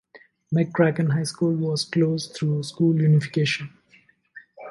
McCracken High School was closed through school unification.